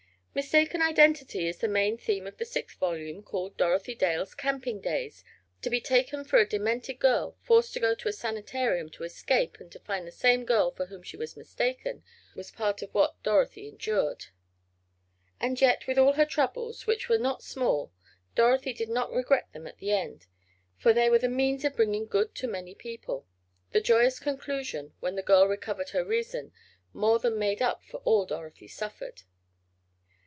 Mistaken identity is the main theme of the sixth volume, called "Dorothy Dale's Camping Days." To be taken for a demented girl, forced to go to a sanitarium, to escape, and to find the same girl for whom she was mistaken, was part of what Dorothy endured. And yet, with all her troubles, which were not small, Dorothy did not regret them at the end, for they were the means of bringing good to many people. The joyous conclusion, when the girl recovered her reason, more than made up for all Dorothy suffered.